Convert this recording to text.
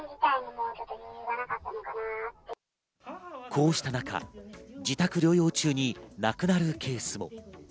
こうした中、自宅療養中に亡くなるケースも。